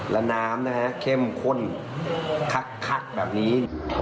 แล้วน้ำมาเข้มข้นคักแบบนี้